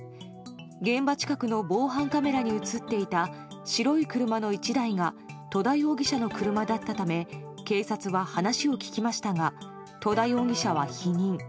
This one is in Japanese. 現場近くの防犯カメラに映っていた白い車の１台が戸田容疑者の車だったため警察は話を聞きましたが戸田容疑者は否認。